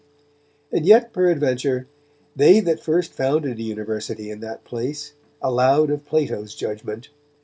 And yet, peradventure, they that first founded a University in that place, allowed of Plato's judgment.